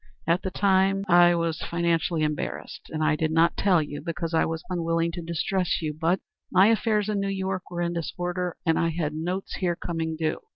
At the time, I I was financially embarrassed. I did not tell you because I was unwilling to distress you, but er my affairs in New York were in disorder, and I had notes here coming due.